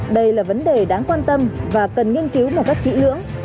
đây là vấn đề đáng quan tâm và cần nghiên cứu một cách kỹ lưỡng